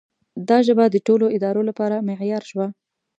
دا ژبه د ټولو ادارو لپاره معیار شوه.